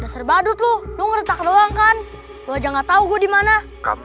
dasar badut lu nunggu tak doang kan lu aja nggak tahu gue di mana kamu